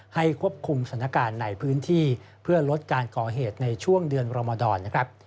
ควบคุมสถานการณ์ในพื้นที่เพื่อลดการก่อเหตุในช่วงเดือนรมดรนะครับ